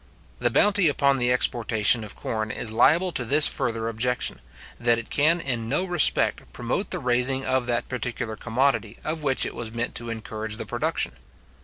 The bounty upon the exportation of corn is liable to this further objection, that it can in no respect promote the raising of that particular commodity of which it was meant to encourage the production.